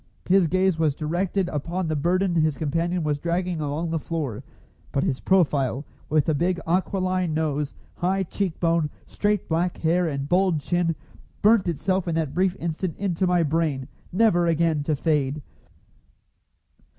His gaze was directed upon the burden his companion was dragging along the floor; but his profile, with the big aquiline nose, high cheek bone, straight black hair and bold chin, burnt itself in that brief instant into my brain, never again to fade.